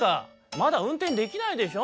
「まだうんてんできないでしょ」。